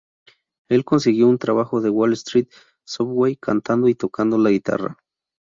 Él consiguió un trabajo en Wall Street Subway cantando y tocando la guitarra.